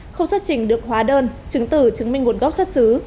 không xuất trình được hóa đơn chứng tử chứng minh nguồn gốc xuất xứ